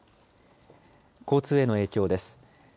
交通への影響です。